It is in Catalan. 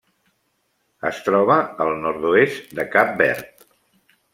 Es troba al nord-oest de Cap Verd.